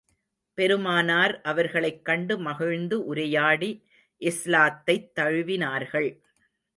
பெருமானார் அவர்களைக் கண்டு மகிழ்ந்து உரையாடி, இஸ்லாத்தைத் தழுவினார்கள்.